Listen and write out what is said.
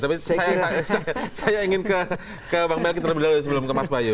tapi saya ingin ke bang melki terlebih dahulu sebelum ke mas bayu